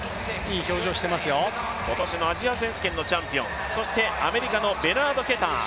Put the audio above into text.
今年のアジア選手権のチャンピオンアメリカのベナード・ケター。